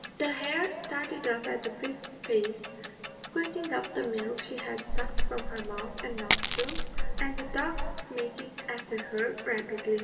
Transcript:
The hare started off at a brisk pace, squirting up the milk she had sucked from her mouth and nostrils, and the dogs making after her rapidly.